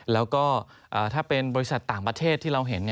แล้วก็ถ้าเป็นบริษัทต่างประเทศที่เราเห็น